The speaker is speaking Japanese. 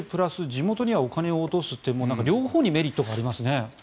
地元にはお金を落とすという両方にメリットがありますね。